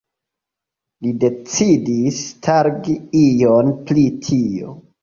Li decidis starigi ion pri tio.